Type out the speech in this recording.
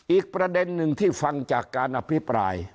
อีกประเด็นหนึ่งที่ฟังจากการอภิปราย